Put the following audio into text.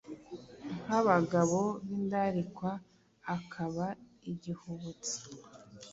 nk’abagabo b’indarikwa, akaba n’igihubutsi.